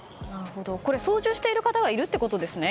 操縦している方がいるってことですね。